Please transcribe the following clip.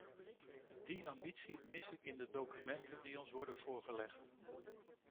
Die ambitie mis ik in de documenten die ons worden voorgelegd.